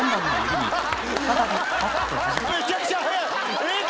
めちゃくちゃ速い！